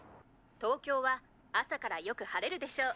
東京は朝からよく晴れるでしょう。